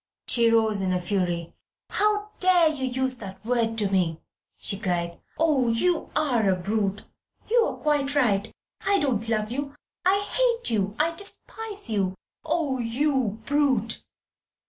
She rose in a fury. "How dare you use that word to me!" she cried. "Oh, you are a brute! You are quite right: I don't love you I hate you, I despise you. Oh, you brute!"